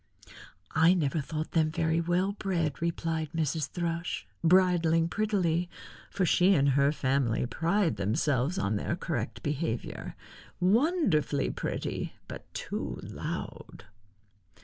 "I never thought them very well bred," replied Mrs. Thrush, bridling prettily, for she and her family pride themselves on their correct behavior. "Wonderfully pretty, but too loud."